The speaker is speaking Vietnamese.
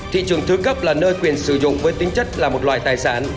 thị trường thứ cấp là nơi quyền sử dụng với tính chất là một loại tài sản